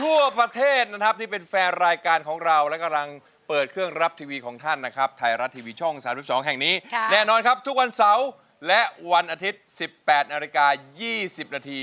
วันเสาร์และวันอาทิตย์๑๘นาฬิกา๒๐นาที